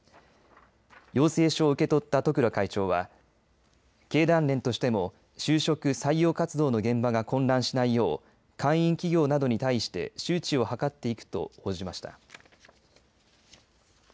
要請書を受け取った十倉会長は経団連としても就職、採用活動の現場が混乱しないよう会員企業などに対して周知を図っていくと応じました。